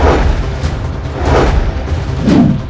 aku akan menang